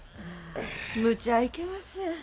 むちゃはいけません。